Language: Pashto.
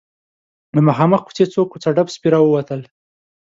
له مخامخ کوڅې څو کوڅه ډب سپي راووتل.